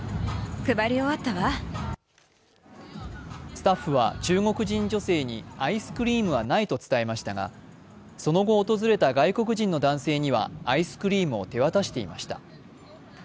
スタッフは中国人女性にアイスクリームはないと伝えましたがその後、訪れた外国人の男性にはアイスクリームを手渡していました。